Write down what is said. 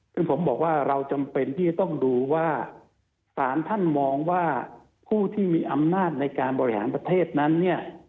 ซึ่งผมบอกว่าเราจำเป็นที่จะต้องดูว่าสารท่านมองว่าผู้ที่มีอำนาจในการบริหารประเทศนั้นเนี่ย